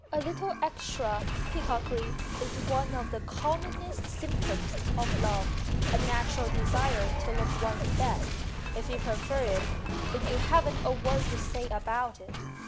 A little extra peacockry is one of the commonest symptoms of love a natural desire to look one's best if you prefer it but you haven't a word to say about it.